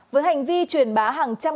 với hành vi truyền bá hàng trăm